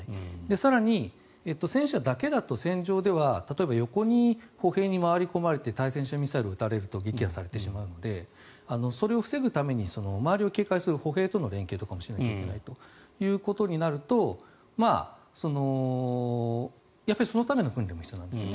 更に、戦車だけだと戦場では横に歩兵に回り込まれて対戦車ミサイルを撃たれると撃破されてしまうのでそれを防ぐために周りを警戒する歩兵との連携もしないといけないということになるとそのための訓練が必要になるんですね。